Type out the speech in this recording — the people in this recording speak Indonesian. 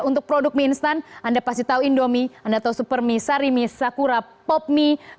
untuk produk mie instan anda pasti tahu indomie anda tahu supermie sarimie sakura popmie